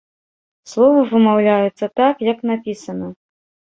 Словы вымаўляюцца так, як напісана.